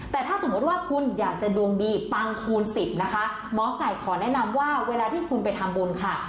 แต่ถ้าสมมติว่าคุณอยากจะดวงดีปังคูณสิบนะคะหมอไก่ขอแนะนำว่าเวลาที่คุณไปทำบุญค่ะ